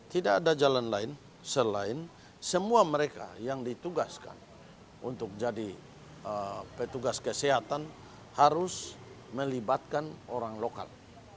tidak ada jalan lain selain semua mereka yang ditugaskan untuk jadi petugas kesehatan harus melibatkan orang lokal